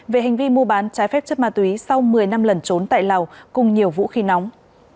về hành vi mua bán trái phép chất ma túy sau một mươi năm lần trốn tại lào cùng nhiều vũ khí nóng